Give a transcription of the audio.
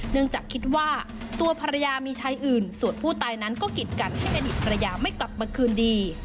เนื่องจากคิดว่าตัวภรรยามีชายอื่นส่วนผู้ตายนั้นก็กิดกันให้อดีตภรรยาไม่กลับมาคืนดี